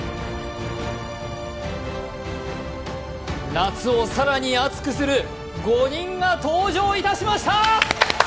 夏を更に暑くする５人が登場いたしました！